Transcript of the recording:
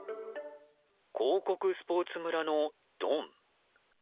広告スポーツ村のドン。